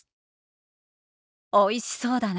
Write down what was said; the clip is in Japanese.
「おいしそうだな」。